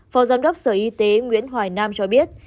phó giám đốc sở y tế nguyễn hoài nam cho biết